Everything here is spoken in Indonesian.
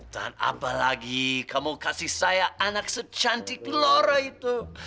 dan apalagi kamu kasih saya anak secantik lora itu